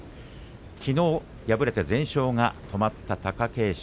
きのう敗れて全勝が止まった貴景勝